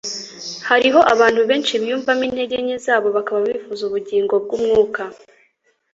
Hariho abantul benshi biyumvamo intege nke zabo bakaba bifuza ubugingo bw'umwuka